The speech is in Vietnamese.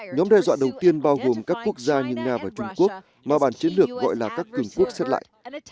nhóm đe dọa đầu tiên bao gồm các quốc gia như nga và trung quốc mà bàn chiến lược gọi là các cường quốc xếp lại